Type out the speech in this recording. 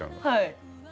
はい。